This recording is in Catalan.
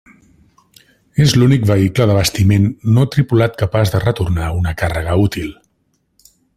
És l'únic vehicle d'abastiment no tripulat capaç de retornar una càrrega útil.